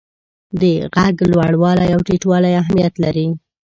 د ږغ لوړوالی او ټیټوالی اهمیت لري.